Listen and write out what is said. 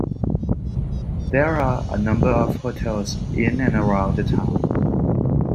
There are a number of hotels in and around the town.